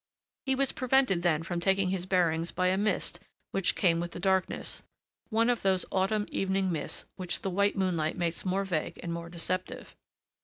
He was prevented then from taking his bearings by a mist which came with the darkness, one of those autumn evening mists which the white moonlight makes more vague and more deceptive.